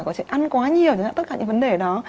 có trẻ ăn quá nhiều tất cả những vấn đề đó